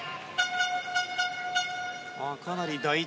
かなり第１